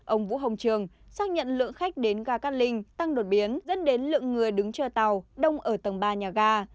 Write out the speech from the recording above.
ông vũ hồng trường xác nhận lượng khách đến ga cát linh tăng đột biến dẫn đến lượng người đứng chờ tàu đông ở tầng ba nhà ga